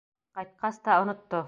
Ҡайтҡас та онотто.